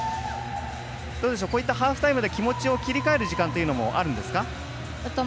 ハーフタイムで気持ちを切り替える時間というのもあるんですか？